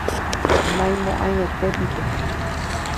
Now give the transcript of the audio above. naimo'aietépiko.